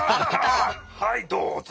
はいどうぞ。